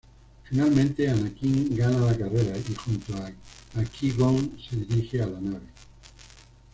Finalmente Anakin gana la carrera y junto a Qui-Gon se dirigen a la nave.